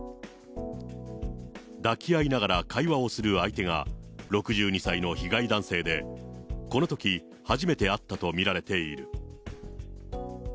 抱き合いながら会話をする相手が６２歳の被害男性で、このとき、初めて会ったと見られている。